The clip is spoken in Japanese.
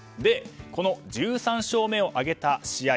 この１３勝目を挙げた試合